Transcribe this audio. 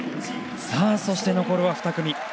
そして、残るは２組。